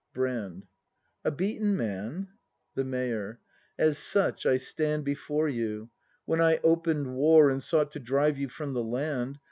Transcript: Brand. A beaten man ? The Mayor. As such I stand Before you. When I open'd war. And sought to drive you from the land.